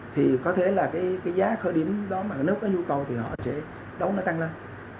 thì có thể là cái giá khởi điểm đó mà cái nước có nhu cầu thì họ sẽ đấu nó tăng lên